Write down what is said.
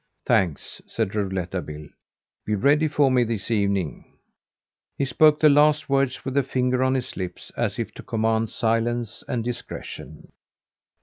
"Thanks!" said Rouletabille. "Be ready for me this evening." He spoke the last words with a finger on his lips as if to command silence and discretion.